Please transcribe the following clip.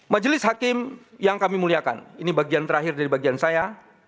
majelis hakim yang kami muliakan ini bagian terakhir dari bagian saya